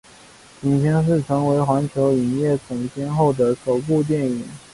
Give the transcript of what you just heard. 影片是成为环球影业总监后的首部电影。